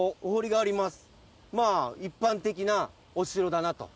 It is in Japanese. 一般的なお城だなと。